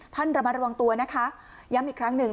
ระมัดระวังตัวนะคะย้ำอีกครั้งหนึ่ง